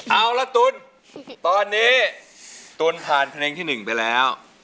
เอาละตุ๋นตอนนี้ตุ๋นผ่านเพลงที่๑ไปแล้ว